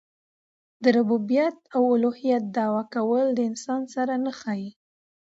د ربوبیت او اولوهیت دعوه کول د انسان سره نه ښايي.